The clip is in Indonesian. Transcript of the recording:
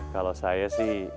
kalau saya sih